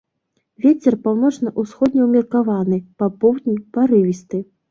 Вецер паўночна-ўсходні ўмеркаваны, па поўдні парывісты.